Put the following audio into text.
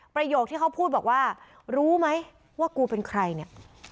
ประโยคที่เขาพูดบอกว่ารู้ไหมว่ากูเป็นใครเนี่ย